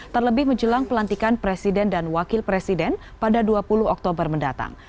terlebih menjelang pelantikan presiden dan wakil presiden pada dua puluh oktober mendatang